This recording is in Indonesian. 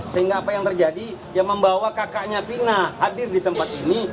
sehingga apa yang terjadi membawa kakaknya fina hadir di tempat ini